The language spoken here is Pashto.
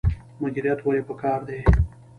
مدیریت ولې پکار دی؟